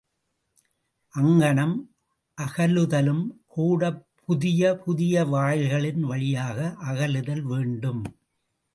அங்ஙனம் அகலுதலும்கூடப் புதிய, புதிய வாயில்களின் வழியாக அகலுதல் வேண்டும்.